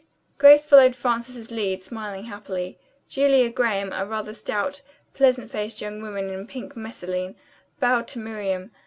Grace followed Frances's lead, smiling happily. Julia Graham, a rather stout, pleasant faced young woman in pink messaline, bowed to Miriam.